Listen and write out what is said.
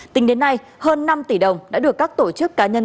tính đến nay hơn năm tỷ đồng đã được các tổ chức cá nhân